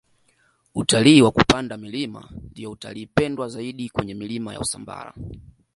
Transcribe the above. utalii wa kupanda milima ndiyo utalii pendwa zaidi kwenye milima ya usambara